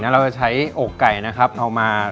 เราจะใช้อกไก่นะครับเอามา